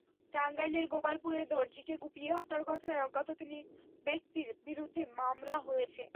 টাঙ্গাইলের গোপালপুরে দরজিকে কুপিয়ে হত্যার ঘটনায় অজ্ঞাত তিন ব্যক্তির বিরুদ্ধে মামলা হয়েছে।